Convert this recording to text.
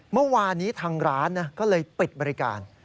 เมื่อวานนี้ทางร้านก็เลยปิดบริการ